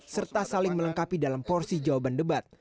serta saling melengkapi dalam porsi jawaban debat